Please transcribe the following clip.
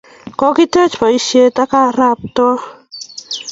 Kokitet poisyet ak arap Too.